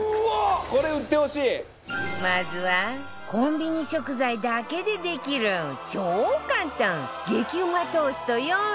まずはコンビニ食材だけでできる超簡単激うまトースト４選